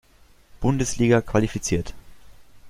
Bundesliga qualifiziert.